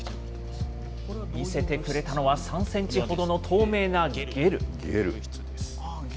見せてくれたのは、３センチほどの透明なゲル。